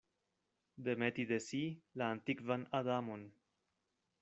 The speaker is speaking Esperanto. Demeti de si la antikvan Adamon.